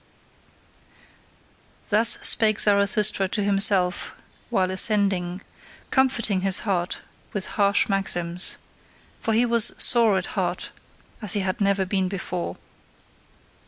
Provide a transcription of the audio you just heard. Thus spake Zarathustra to himself while ascending, comforting his heart with harsh maxims: for he was sore at heart as he had never been before.